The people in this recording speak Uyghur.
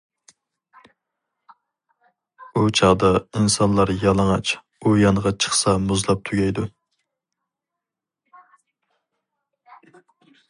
ئۇ چاغدا ئىنسانلار يالىڭاچ ئۇ يانغا چىقسا مۇزلاپ تۈگەيدۇ.